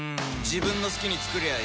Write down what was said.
自分の好きに作りゃいい